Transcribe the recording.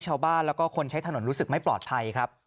ชาวบ้านแล้วก็คนใช้ถนนรู้สึกไม่ปลอดภัยครับ